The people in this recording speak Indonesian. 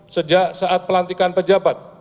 sejak saat pelantikan pejabat